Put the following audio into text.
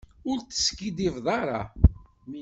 Ur teskiddibeḍ ara.